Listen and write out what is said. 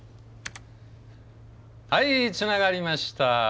はいつながりました。